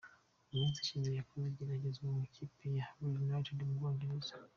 Mu minsi ishize yakoze igeragezwa mu ikipe Leeds United yo mu Bwongereza.